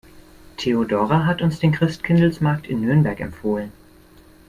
Theodora hat uns den Christkindlesmarkt in Nürnberg empfohlen.